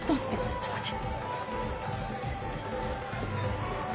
ちょっとこっち。